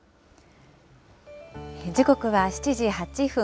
時刻は７時８分。